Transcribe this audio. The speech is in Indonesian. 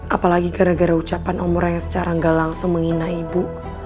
apalagi gara gara ucapan omra yang secara gak langsung menghina ibu